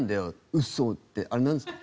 「ウッソ」ってあれなんですか？